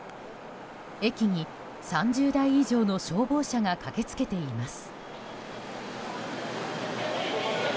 駅に３０台以上の消防車が駆けつけています。